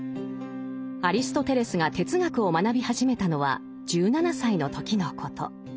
アリストテレスが哲学を学び始めたのは１７歳の時のこと。